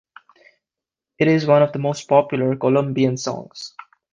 It is one of the most popular Colombian songs.